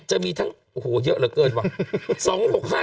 จะมีทั้งโอ้โหเยอะเหลือเกินว่ะ